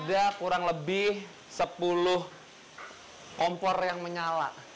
ada kurang lebih sepuluh kompor yang menyala